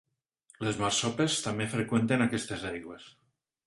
Les marsopes també freqüenten aquestes aigües.